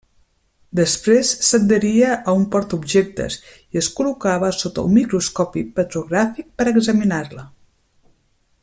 Després s'adheria a un portaobjectes i es col·locava sota un microscopi petrogràfic per a examinar-la.